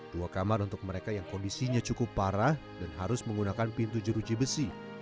dua kamar untuk mereka yang kondisinya cukup parah dan harus menggunakan pintu jeruji besi